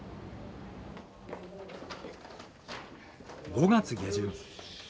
５月下旬。